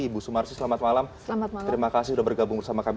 ibu sumarsi selamat malam terima kasih sudah bergabung bersama kami